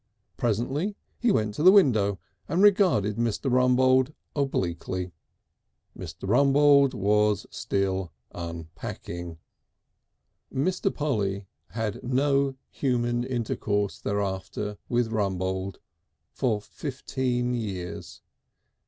Presently he went to the window and regarded Mr. Rumbold obliquely. Mr. Rumbold was still unpacking.... Mr. Polly had no human intercourse thereafter with Rumbold for fifteen years.